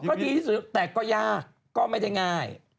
ก็ดีที่สุดแต่ก็ยากก็ไม่ได้ง่าย